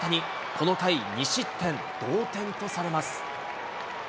この回２失点、同点とされます。